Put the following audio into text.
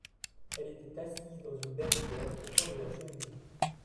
Elle était assise dans une bergère au coin de la cheminée.